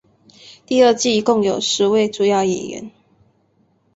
第二季一共有十位主要演员。